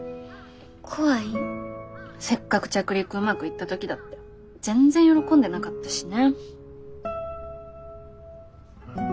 せっかく着陸うまくいった時だって全然喜んでなかったしね。